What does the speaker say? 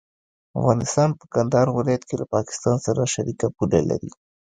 افغانستان په کندهار ولايت کې له پاکستان سره شریکه پوله لري.